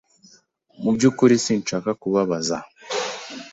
Mu byukuri sinshaka kubabaza